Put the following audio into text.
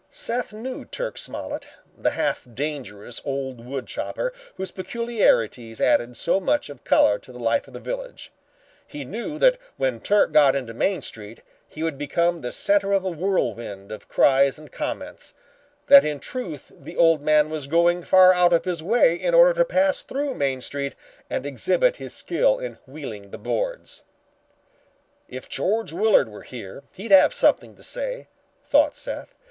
Seth knew Turk Smollet, the half dangerous old wood chopper whose peculiarities added so much of color to the life of the village. He knew that when Turk got into Main Street he would become the center of a whirlwind of cries and comments, that in truth the old man was going far out of his way in order to pass through Main Street and exhibit his skill in wheeling the boards. "If George Willard were here, he'd have something to say," thought Seth.